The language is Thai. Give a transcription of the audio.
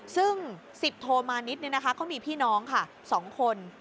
ซึ่ง๑๐โทมานิดเขามีพี่น้องค่ะ๒คน